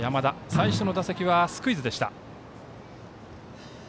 最初の打席はスクイズでした。